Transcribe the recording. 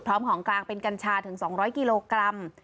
พร้อมของกลางเป็นกัญชาถึงสองร้อยกิโลกรัม